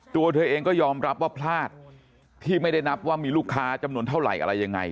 ตัวเธอเองก็ยอมรับว่าพลาดที่ไม่ได้นับว่ามีลูกค้าจำนวนเท่าไหร่อะไรยังไง